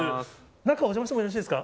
中、お邪魔してもよろしいですか？